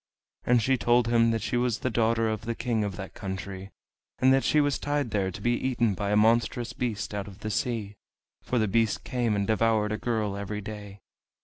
And she told him that she was the daughter of the King of that country, and that she was tied there to be eaten by a monstrous beast out of the sea; for the beast came and devoured a girl every day.